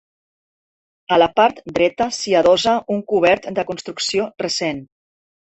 A la part dreta s'hi adossa un cobert de construcció recent.